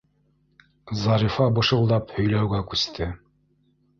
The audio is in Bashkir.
Зарифа бышылдап һөйләүгә күсте.